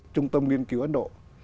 trung tâm nghiên cứu ấn độ